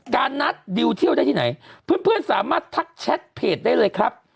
การนัดดิวเที่ยวได้ที่ไหนเพื่อนสามารถทักแชทเพจได้เลยครับ